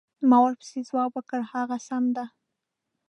ما ورپسې ځواب ورکړ: هغه سمه ده.